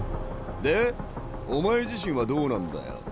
でお前自身はどうなんだよ？